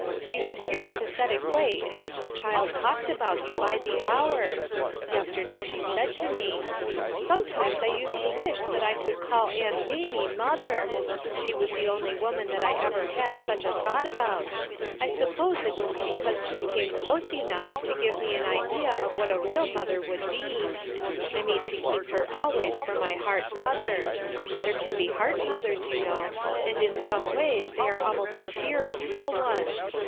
"You should hear the pathetic way in which the child talks about you by the hour ! Yesterday she said to me :— '"Sometimes I used to wish that I could call Aunt Mamie, mother* She is the only woman that I ever had such a thought about ; I sup pose it was because she came close enough to give me an idea of what a real mother would be. I mean to keep her always for my heart mother. There can be heart mothers, you know, and in some ways they are almost as dear as real ones.